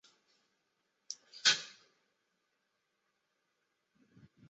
高压共轨燃油直喷是汽油机与柴油机的一种燃油直喷技术。